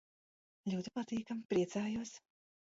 Ļoti patīkami. Priecājos.